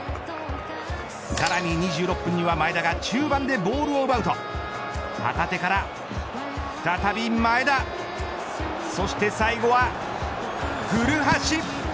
さらに２６分には前田が中盤でボールを奪うと旗手から再び前田そして最後は古橋。